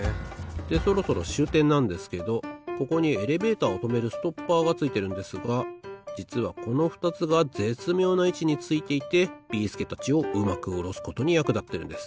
でそろそろしゅうてんなんですけどここにエレベーターをとめるストッパーがついてるんですがじつはこのふたつがぜつみょうないちについていてビーすけたちをうまくおろすことにやくだってるんです。